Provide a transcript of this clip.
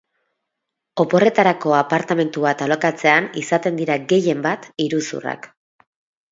Oporretarako apartamentu bat alokatzean izaten dira, gehienbat, iruzurrak.